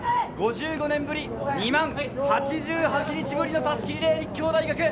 ５５年ぶり、２万８８日ぶりの襷リレー、立教大学。